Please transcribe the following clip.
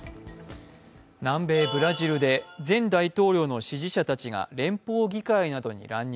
南米ブラジルで前大統領の支持者たちが連邦議会などに乱入。